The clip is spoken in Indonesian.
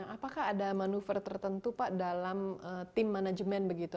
apakah ada manuver tertentu pak dalam tim manajemen begitu